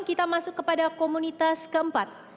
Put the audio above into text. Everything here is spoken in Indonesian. kita masuk kepada komunitas keempat